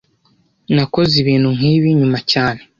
Nakoze ibintu nkibi nyuma cyane